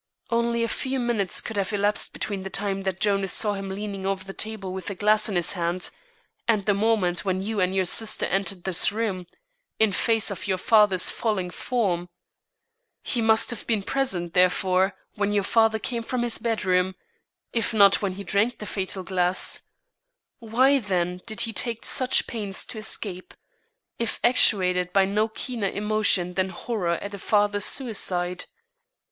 Only a few minutes could have elapsed between the time that Jonas saw him leaning over the table with the glass in his hand and the moment when you and your sister entered this room in face of your father's falling form. He must have been present, therefore, when your father came from his bedroom, if not when he drank the fatal glass; why, then, did he take such pains to escape, if actuated by no keener emotion than horror at a father's suicide?"